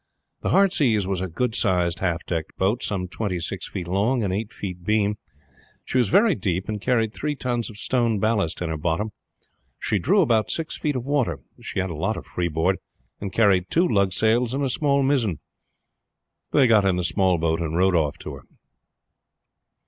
The Heartsease was a good sized half decked boat of some twenty six feet long and eight feet beam. She was very deep, and carried three tons of stone ballast in her bottom. She drew about six feet of water. She had a lot of freeboard, and carried two lug sails and a small mizzen. They got in the small boat and rowed off to her.